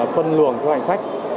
phân luồng cho hành khách